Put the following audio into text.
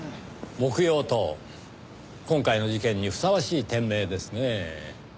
木曜島今回の事件にふさわしい店名ですねぇ。